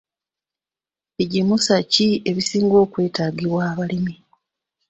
Bigimusa ki ebisinga okwetaagibwa abalimi?